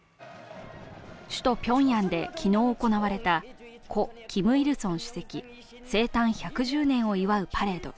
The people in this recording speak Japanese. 首都ピョンヤンで昨日行われた故キム・イルソン主席生誕１１０年を祝うパレード。